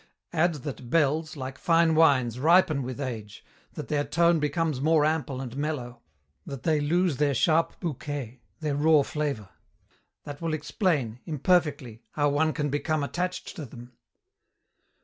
Add that bells, like fine wines, ripen with age, that their tone becomes more ample and mellow, that they lose their sharp bouquet, their raw flavour. That will explain imperfectly how one can become attached to them."